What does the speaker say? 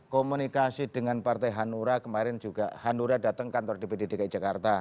komunikasi dengan partai hanura kemarin juga hanura datang kantor dpd dki jakarta